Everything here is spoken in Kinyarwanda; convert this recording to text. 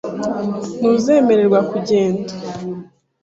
Ntuzemererwa kugenda .